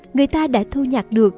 người ta đã thu nhạc được